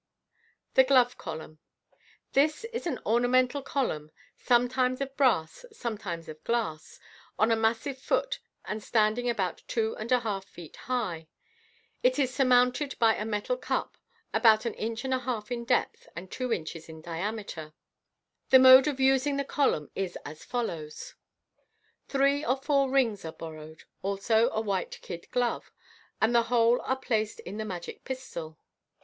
Thb Glove Column. — This is an ornamental column, some times of brass, sometimes of glass, on a massive foot and standing about two and a half feet high. It is surmounted by a metal cup, about an inch and a half in depth and two inches in diameter. The mode of using the co'uran is as follows: — Three or four rings are borrowed, also a white kid glove, and the whole are placed in the magic pistol.